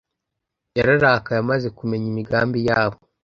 Yararakaye amaze kumenya imigambi yabo.